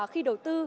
khi đầu tư